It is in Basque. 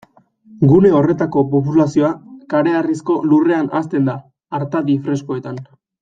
Gune horretako populazioa kareharrizko lurrean hazten da, artadi freskoetan.